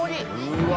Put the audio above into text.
うわ。